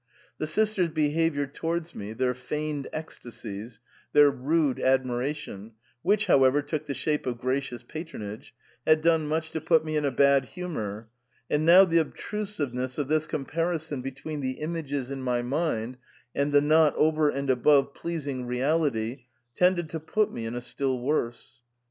The sisters' behaviour towards me, their feigned ecstasies, their rude admiration, which, how ever, took the shape of gracious patronage, had done much to put me in a bad humour, and now the obtru siveness of this comparison between the images in my mind and the not over and above pleasing reality, tended to put me in a still worse.